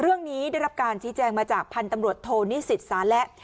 เรื่องนี้ได้รับการชี้แจงมาจากพันธุ์ตำรวจโทนิสิตสาและ